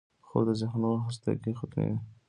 خوب د ذهنو خستګي ختموي